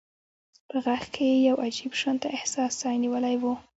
په غږ کې يې يو عجيب شانته احساس ځای نيولی و.